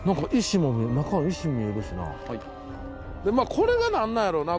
これが何なんやろうな。